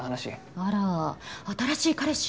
あら新しい彼氏？